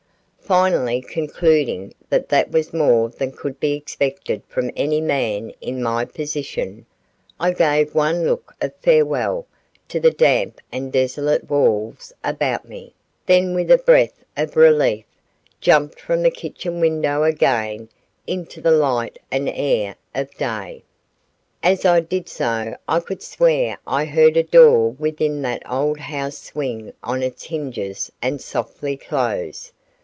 Finally concluding that that was more than could be expected from any man in my position, I gave one look of farewell to the damp and desolate walls about me, then with a breath of relief jumped from the kitchen window again into the light and air of day. As I did so I could swear I heard a door within that old house swing on its hinges and softly close.